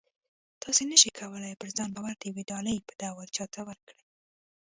تاسې نه شئ کولی پر ځان باور د یوې ډالۍ په ډول چاته ورکړئ